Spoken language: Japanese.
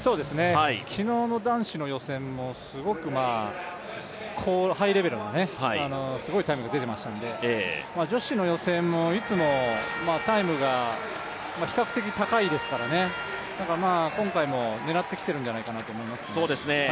昨日の男子の予選もすごくハイレベルなすごいタイムが出ていましたので、女子の予選もいつもタイムが比較的高いですから、今回も狙ってきてるんじゃないかなと思いますね。